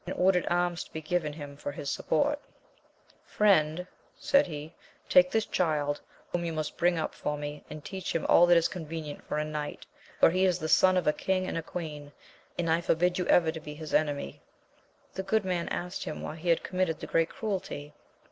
ordered alms to be given him for his s\x5^oi\». 'Sxv^^^^ 26 AMADIS OF OAVL. said he, take this child, whom you must bring up for me, and teach him all that is convenient for a knight, for he is the son of a king and queen ; and I forbid you ever to be his enemy. The good man asked him, why he had committed that great cruelty.